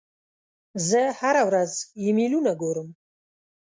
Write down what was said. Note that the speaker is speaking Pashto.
زه هره ورځ ایمیلونه ګورم.